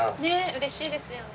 うれしいですよね。